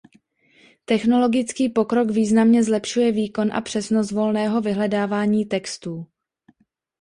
Technologický pokrok významně zlepšuje výkon a přesnost volného vyhledávání textů.